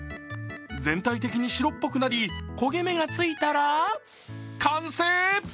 全体的に白っぽくなり、焦げ目がついたら完成。